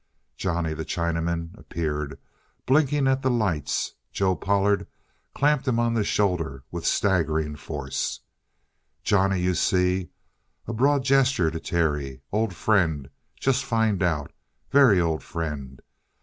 Johnny, the Chinaman, appeared, blinking at the lights. Joe Pollard clapped him on the shoulder with staggering force. "Johnny, you see!" a broad gesture to Terry. "Old friend. Just find out. Velly old friend.